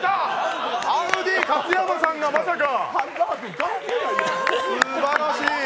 アウディ勝山さんがまさか！